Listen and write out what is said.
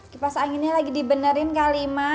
kipas anginnya lagi dibenerin kak lima